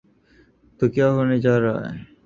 تو کیا ہونے جا رہا ہے؟